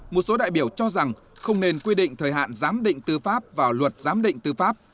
một số đại biểu cho rằng không nên quy định thời hạn giám định tư pháp vào luật giám định tư pháp